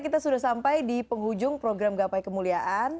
kita sudah sampai di penghujung program gapai kemuliaan